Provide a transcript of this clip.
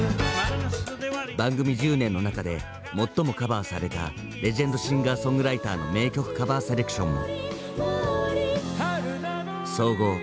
番組１０年の中で最もカバーされたレジェンドシンガーソングライターの名曲カバーセレクションも。